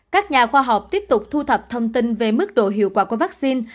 các nhà khoa học tiếp tục thu thập thông tin về mức độ hiệu quả của vaccine